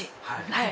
はい。